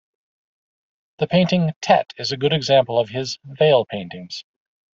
The painting "Tet" is a good example of his "Veil Paintings".